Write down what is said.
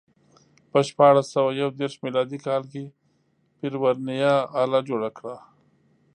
په شپاړس سوه یو دېرش میلادي کال کې پير ورنیه آله جوړه کړه.